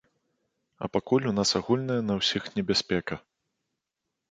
А пакуль у нас агульная на ўсіх небяспека.